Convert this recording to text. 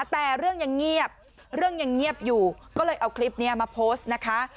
แต่เรื่องยังเงียบเรื่องยังเงียบอยู่ก็เลยเอาคลิปนี้มาโพสต์นะคะ